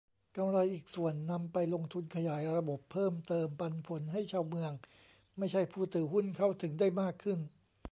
กำไรอีกส่วนนำไปลงทุนขยายระบบเพิ่มเติม "ปันผล" ให้ชาวเมือง ไม่ใช่ผู้ถือหุ้น เข้าถึงได้มากขึ้น